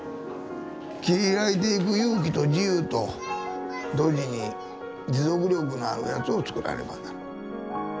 切り開いていく勇気と自由と同時に持続力のあるやつをつくらねばならん。